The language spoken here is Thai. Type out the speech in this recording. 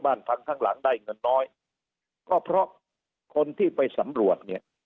พังข้างหลังได้เงินน้อยก็เพราะคนที่ไปสำรวจเนี่ย